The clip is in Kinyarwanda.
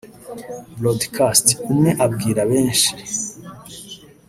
broadcast (Umwe abwira benshi)